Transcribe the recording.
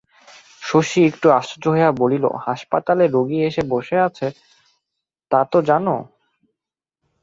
শশী একটু আশ্চর্য হইয়া বলিল, হাসপাতালে রোগী এসে বসে আছে তা তো জানো?